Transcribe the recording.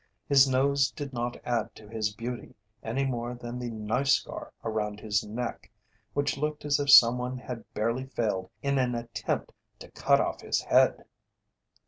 His nose did not add to his beauty any more than the knife scar around his neck, which looked as if someone had barely failed in an attempt to cut off his head.